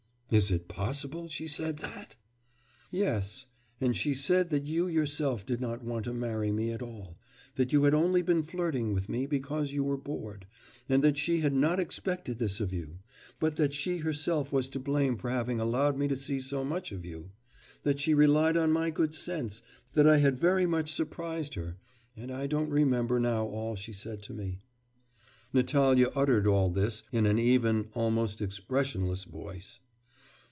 'Is it possible she said that?' 'Yes; and she said too that you yourself did not want to marry me at all, that you had only been flirting with me because you were bored, and that she had not expected this of you; but that she herself was to blame for having allowed me to see so much of you... that she relied on my good sense, that I had very much surprised her... and I don't remember now all she said to me.' Natalya uttered all this in an even, almost expressionless voice.